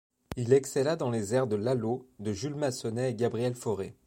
Il excella dans les airs de Lalo, de Jules Massenet et de Gabriel Fauré.